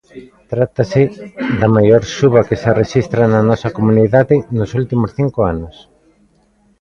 Trátase da maior suba que se rexistra na nosa comunidade nos últimos cinco anos.